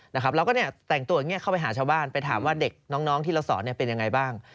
แล้วก็แต่งตัวอย่างนี้เข้าไปหาชาวบ้านไปถามว่าเด็กน้องที่เราสอนเป็นยังไงบ้าง